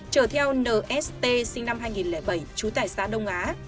chở theo nst sinh năm hai nghìn bảy trú tại xá đông á